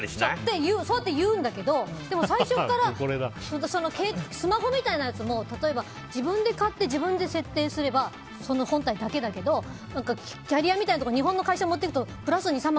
そうやって言うんだけど最初からスマホみたいなやつも自分で買って自分で設定すれば本体だけだけどキャリアみたいなところ日本の会社に持っていくとプラス２３万